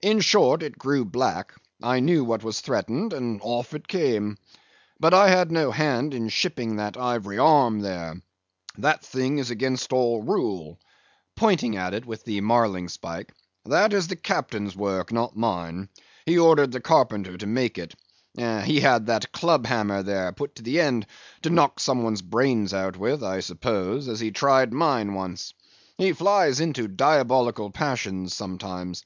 In short, it grew black; I knew what was threatened, and off it came. But I had no hand in shipping that ivory arm there; that thing is against all rule"—pointing at it with the marlingspike—"that is the captain's work, not mine; he ordered the carpenter to make it; he had that club hammer there put to the end, to knock some one's brains out with, I suppose, as he tried mine once. He flies into diabolical passions sometimes.